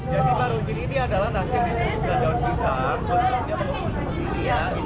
jadi baronjin ini adalah nasib dan daun pisang